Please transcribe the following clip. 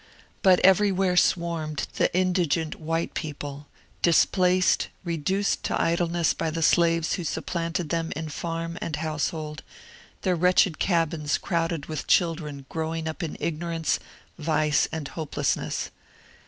But everywhere swarmed the indigent white people, displaced, re duced to idleness by the slaves who supplanted them in farm and household, their wretched cabins crowded with children growing up in ignorance, vice, and hopelessness.